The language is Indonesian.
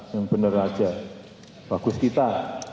yang benar aja bagus kita